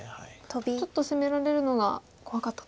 ちょっと攻められるのが怖かったと。